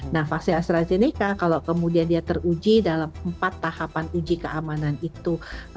nah vaksin astrazeneca kalau kemudian dia teruji dalam empat tahapan uji keamanan itu